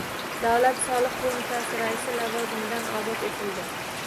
Davlat soliq qo'mitasi raisi lavozimidan ozod etildi